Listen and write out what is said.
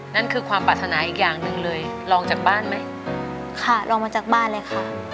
นั่นคือความปรารถนาอีกอย่างหนึ่งเลยลองจากบ้านไหมค่ะลองมาจากบ้านเลยค่ะ